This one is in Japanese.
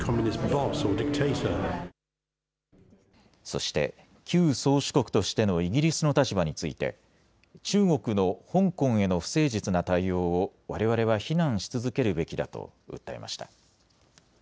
そして旧宗主国としてのイギリスの立場について中国の香港への不誠実な対応をわれわれは非難し続けるべきだと訴えました。